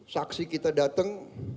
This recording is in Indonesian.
saksi kita datang